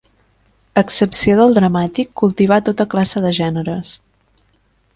A excepció del dramàtic, cultivà tota classe de gèneres.